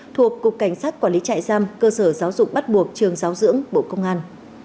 thuộc cục cảnh sát quản lý trại giam cơ sở giáo dục bắt buộc trường giáo dưỡng bộ công an